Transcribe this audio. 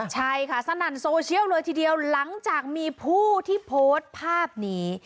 ใช่ค่ะสนั่นโซเชียลเลยทีเดียวหลังจากมีผู้ที่โพสต์ภาพนี้